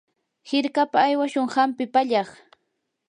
hirkapa aywashun hampi pallaq.